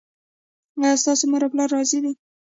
ایا ستاسو مور او پلار راضي دي؟